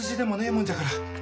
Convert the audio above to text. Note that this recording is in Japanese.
もんじゃから。